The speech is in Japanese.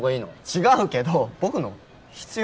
違うけど僕の必要？